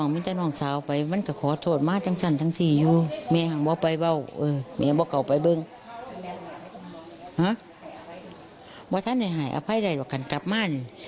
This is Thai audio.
บอกท่านให้ให้อภัยได้ว่ากันกลับมานี่